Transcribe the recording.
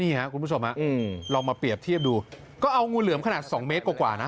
นี่ครับคุณผู้ชมลองมาเปรียบเทียบดูก็เอางูเหลือมขนาด๒เมตรกว่านะ